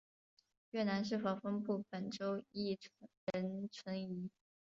越南是否分布本种亦仍存疑。